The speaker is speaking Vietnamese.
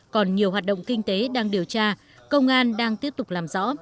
còn nhiều hoạt động kinh tế đang điều tra công an đang tiếp tục làm rõ